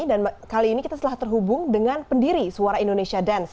dan kali ini kita telah terhubung dengan pendiri suara indonesia dance